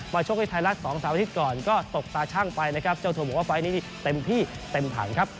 มาชกที่ไทรลักษณ์๒๓วันที่ก่อนก็ตกตาช่างไปนะครับเจ้าตัวบอกว่าไฟต์นี้เต็มพี่เต็มถังครับ